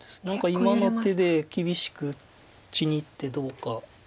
何か今の手で厳しく打ちにいってどうか。